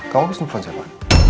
kamu habis nelfon siapa